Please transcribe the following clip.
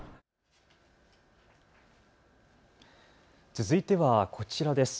続いてはこちらです。